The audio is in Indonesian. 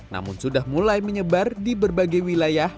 namun sudah mulai menyebar di berbagai wilayah